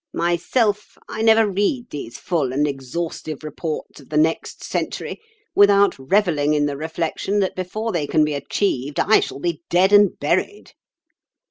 Myself; I never read these full and exhaustive reports of the next century without revelling in the reflection that before they can be achieved I shall be dead and buried.